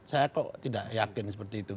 saya kok tidak yakin seperti itu